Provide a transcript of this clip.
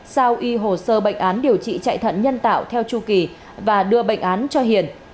sao y hồ sơ bệnh án điều trị chạy thận nhân tạo theo chu kỳ và đưa bệnh án cho hiền